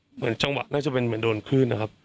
เหมือนจังหวะน่าจะเป็นเหมือนโดนคลื่นนะครับ